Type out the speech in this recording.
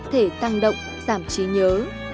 thể tăng động giảm trí nhớ